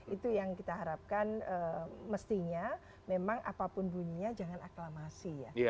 itu yang kita harapkan mestinya memang apapun bunyinya jangan aklamasi ya